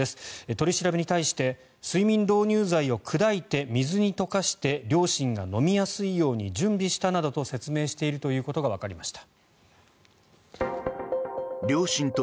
取り調べに対して睡眠導入剤を砕いて水に溶かして両親が飲みやすいように準備したなどと説明していることがわかりました。